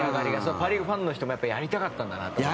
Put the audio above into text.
パ・リーグファンの人も、やっぱやりたかったんだなと思って。